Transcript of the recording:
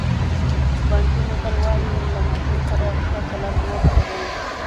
بانټو متل وایي له ماشوم سره ښه چلند وکړئ.